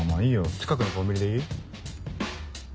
近くのコンビニでいい？